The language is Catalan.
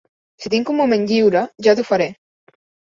Si tinc un moment lliure, ja t'ho faré.